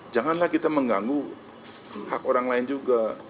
janganlah kita mengganggu hak orang lain juga